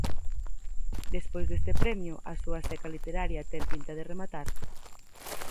Despois deste premio, a súa seca literaria ten pinta de rematar?